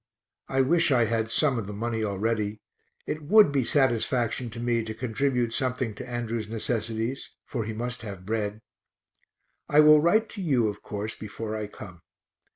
(I wish I had some of the money already; it would be satisfaction to me to contribute something to Andrew's necessities, for he must have bread.) I will write to you, of course, before I come.